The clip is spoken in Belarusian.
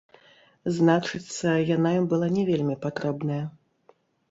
Значыцца, яна ім была не вельмі патрэбная.